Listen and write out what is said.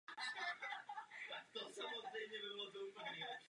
Parlament se ptá, co by se mělo dělat.